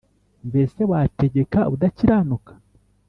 Mbese wategeka udakiranuka